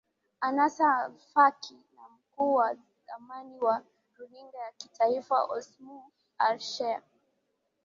anas alfaki na mkuu wa zamani wa runinga ya kitaifa osmu alsher